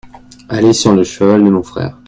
aller sur le cheval de mon frère.